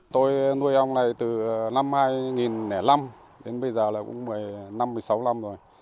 tôi nuôi ong này từ năm hai nghìn năm đến bây giờ là cũng một mươi năm một mươi sáu năm rồi